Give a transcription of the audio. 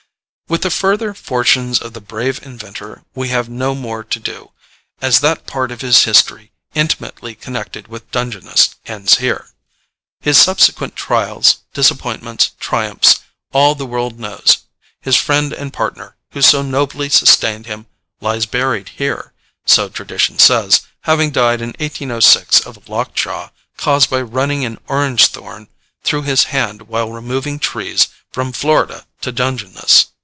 With the further fortunes of the brave inventor we have no more to do, as that part of his history intimately connected with Dungeness ends here. His subsequent trials, disappointments, triumphs, all the world knows. His friend and partner, who so nobly sustained him, lies buried here, so tradition says, having died in 1806 of lockjaw caused by running an orange thorn through his hand while removing trees from Florida to Dungeness.